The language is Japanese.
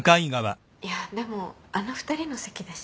いやでもあの２人の席だし。